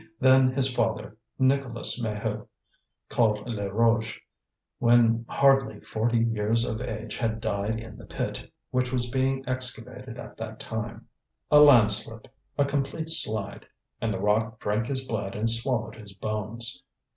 Then his father, Nicolas Maheu, called Le Rouge, when hardly forty years of age had died in the pit, which was being excavated at that time: a landslip, a complete slide, and the rock drank his blood and swallowed his bones.